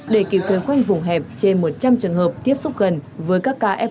để kịp thời khoanh vùng hẹp trên một trăm linh trường hợp tiếp xúc gần với các ca f một